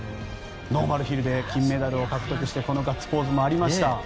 ノーマルヒルで金メダルを獲得してこのガッツポーズもありました。